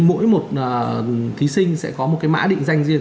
mỗi một thí sinh sẽ có một cái mã định danh riêng